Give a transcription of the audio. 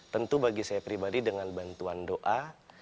tentu bagi saya pribadi dengan bantuan doa